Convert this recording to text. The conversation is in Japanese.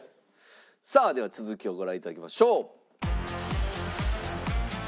さあでは続きをご覧頂きましょう。